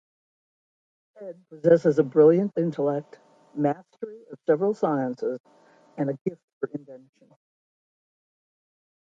Ted possesses a brilliant intellect, mastery of several sciences, and a gift for invention.